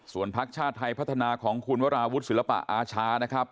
พักชาติไทยพัฒนาของคุณวราวุฒิศิลปะอาชานะครับ